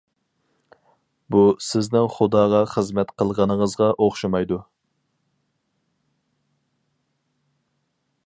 بۇ، سىزنىڭ خۇداغا خىزمەت قىلغىنىڭىزغا ئوخشىمايدۇ.